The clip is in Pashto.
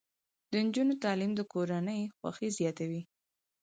د نجونو تعلیم د کورنۍ خوښۍ زیاتوي.